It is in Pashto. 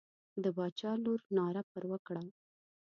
د باچا لور ناره پر وکړه.